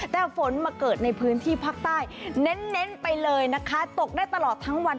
แต่ฝนมาเกิดในพื้นที่ภาคใต้เน้นไปเลยนะคะตกได้ตลอดทั้งวัน